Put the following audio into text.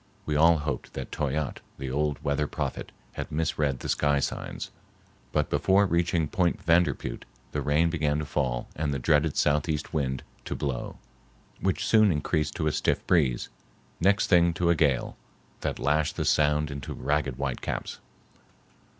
We all hoped that Toyatte, the old weather prophet, had misread the sky signs. But before reaching Point Vanderpeut the rain began to fall and the dreaded southeast wind to blow, which soon increased to a stiff breeze, next thing to a gale, that lashed the sound into ragged white caps.